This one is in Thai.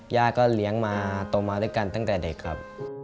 ย่าก็เลี้ยงมาโตมาด้วยกันตั้งแต่เด็กครับ